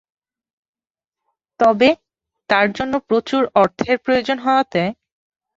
তবে তার জন্য প্রচুর অর্থের প্রয়োজন হওয়াতে।